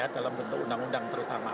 dalam bentuk undang undang terutama